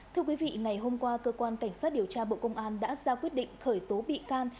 thưa quý vị ngày hôm qua cơ quan cảnh sát điều tra bộ công an đã ra quyết định khởi tố bị can